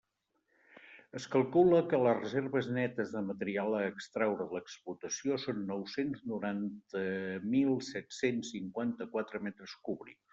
Es calcula que les reserves netes de material a extraure en l'explotació són nou-cents noranta mil set-cents cinquanta-quatre metres cúbics.